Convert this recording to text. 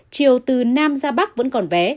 chiều từ nam ra bắc vẫn còn vé